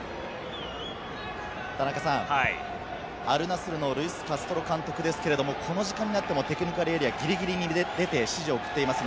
アルナスルのルイス・カストロ監督ですけれども、この時間になってもテクニカルエリア、ギリギリに出て指示を送っています。